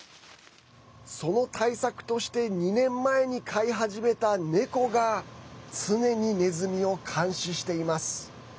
その対策として２年前に飼い始めたネコが常にネズミを監視しています。